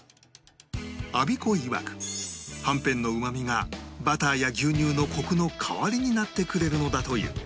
アビコいわくはんぺんのうまみがバターや牛乳のコクの代わりになってくれるのだという